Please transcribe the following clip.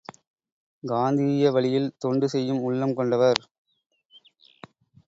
காந்தீய வழியில் தொண்டு செய்யும் உள்ளம் கொண்டவர்.